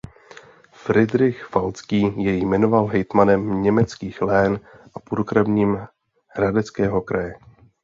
Fridrich Falcký jej jmenoval hejtmanem německých lén a purkrabím hradeckého kraje.